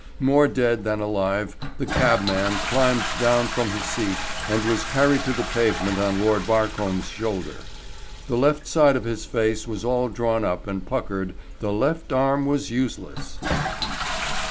More dead than alive the cabman climbed down from his seat and was carried to the pavement on Lord Barcombe's shoulder. The left side of his face was all drawn up and puckered, the left arm was useless.